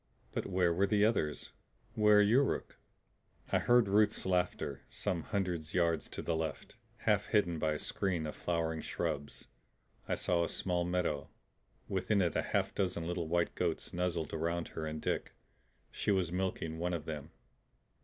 But where were the others? Where Yuruk? I heard Ruth's laughter. Some hundred yards to the left, half hidden by a screen of flowering shrubs, I saw a small meadow. Within it a half dozen little white goats nuzzled around her and Dick. She was milking one of them.